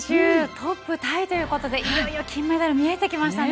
トップタイということでいよいよ金メダルが見えてきましたね。